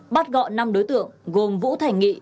bắt gọn năm đối tượng gồm vũ thảnh nghị